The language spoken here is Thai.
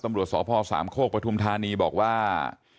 ตำรวจสพสามโคกปหนีบอกว่า